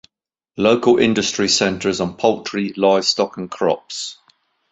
Local industry centers on poultry, livestock and crops.